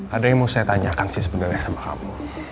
ada yang mau saya tanyakan sih sebenarnya sama kamu